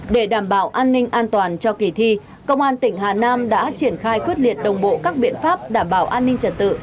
để đảm bảo an ninh an toàn cho kỳ thi công an tỉnh hà nam đã triển khai quyết liệt đồng bộ các biện pháp đảm bảo an ninh trật tự